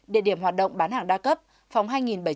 địa điểm hoạt động bán hàng đa cấp phòng hai bảy trăm linh năm